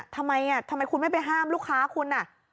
ทำไมคุณว่าไม่ไปห้ามลูกค้าคุณ